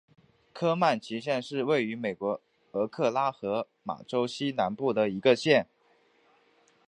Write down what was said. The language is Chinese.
科曼奇县是位于美国俄克拉何马州西南部的一个县。